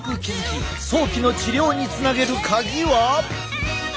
早期の治療につなげる鍵は？